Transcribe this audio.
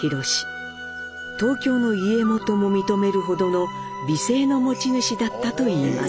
東京の家元も認めるほどの美声の持ち主だったといいます。